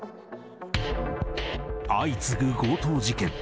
相次ぐ強盗事件。